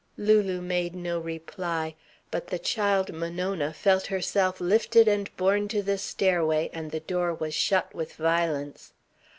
Lulu made no reply. But the child Monona felt herself lifted and borne to the stairway and the door was shut with violence.